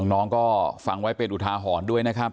น้องก็ฟังไว้เป็นอุทาหรณ์ด้วยนะครับ